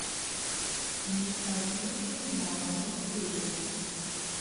Не спазніўся ні на адну хвіліну.